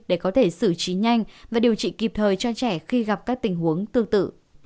để có thể xử trí nhanh và điều trị kịp thời cho trẻ khi gặp các tình huống tương tự